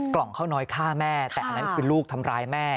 กล่องข้าวน้อยฆ่าแม่แต่อันนั้นคือลูกทำร้ายแม่